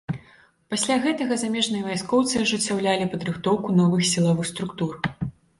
Пасля гэтага замежныя вайскоўцы ажыццяўлялі падрыхтоўку новых сілавых структур.